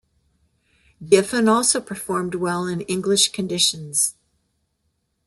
Giffen also performed well in English conditions.